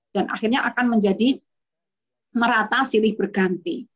dan akhirnya akan menjadi merata sirih bergantung